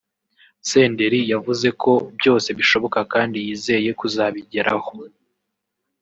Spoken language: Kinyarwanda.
Senderi yavuze ko byose bishoboka kandi yizeye kuzabigeraho